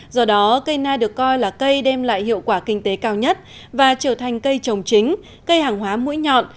do đó cây na được coi là cây đem lại hiệu quả kinh tế cao nhất và trở thành cây trồng chính cây hàng hóa mũi nhọn